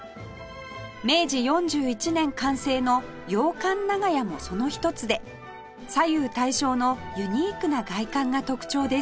明治４１年完成の洋館長屋もそのひとつで左右対称のユニークな外観が特徴です